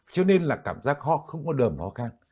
cho nên là cảm giác ho không có đầm ho khen